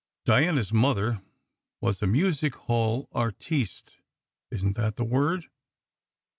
Diana s mother was a music hall "artiste" (isn t that the word?)